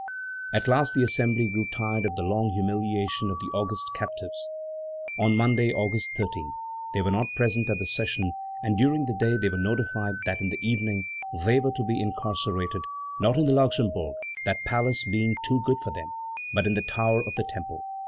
At last the Assembly grew tired of the long humiliation of the august captives. On Monday, August 13, they were not present at the session, and during the day they were notified that in the evening they were to be incarcerated, not in the Luxembourg, that palace being too good for them, but in the tower of the Temple.